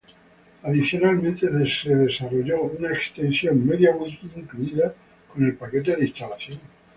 Adicionalmente se desarrolló una extensión MediaWiki incluida con el paquete de instalación.